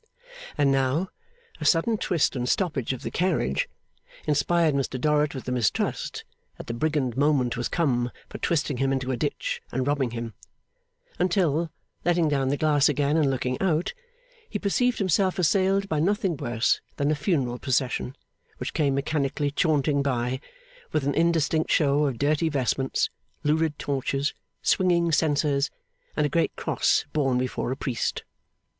And now, a sudden twist and stoppage of the carriage inspired Mr Dorrit with the mistrust that the brigand moment was come for twisting him into a ditch and robbing him; until, letting down the glass again and looking out, he perceived himself assailed by nothing worse than a funeral procession, which came mechanically chaunting by, with an indistinct show of dirty vestments, lurid torches, swinging censers, and a great cross borne before a priest.